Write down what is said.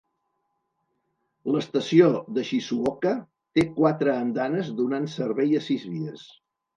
L'estació de Shizuoka té quatre andanes donant servei a sis vies.